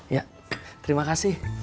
ya terima kasih